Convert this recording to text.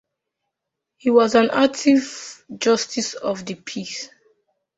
He was an active Justice of the Peace.